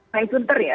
pai sunter ya